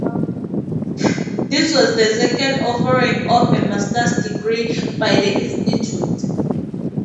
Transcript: This was the second offering of a master's degree by the Institute.